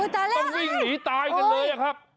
ต้องวิ่งหนีตายกันเลยอะครับ